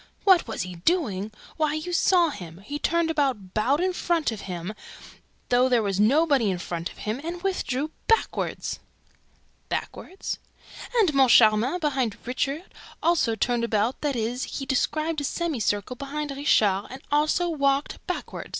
"What was he doing? Why, you saw him! He turned about, BOWED IN FRONT OF HIM, THOUGH THERE WAS NOBODY IN FRONT OF HIM, AND WITHDREW BACKWARD." "BACKWARD?" "And Moncharmin, behind Richard, also turned about; that is, he described a semicircle behind Richard and also WALKED BACKWARD!